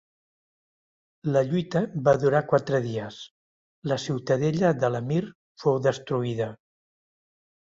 La lluita va durar quatre dies; la ciutadella de l'emir fou destruïda.